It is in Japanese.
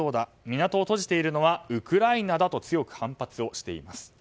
港を閉じているのはウクライナだと強く反発しています。